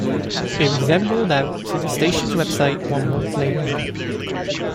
It was then rolled out to the station's website one month later.